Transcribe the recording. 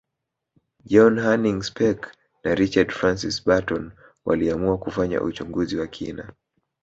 John Hanning Speke na Richard Francis Burton waliamua kufanya uchunguzi wa kina